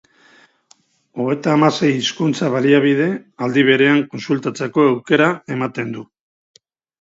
Hogeita hamasei hizkuntza-baliabide aldi berean kontsultatzeko aukera ematen du.